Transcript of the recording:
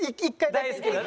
大好きな。